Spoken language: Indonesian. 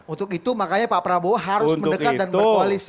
untuk itu makanya pak prabowo harus mendekat dan berkoalisi